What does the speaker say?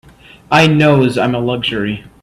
I knows I'm a luxury.